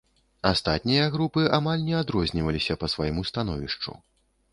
Астатнія групы амаль не адрозніваліся па свайму становішчу.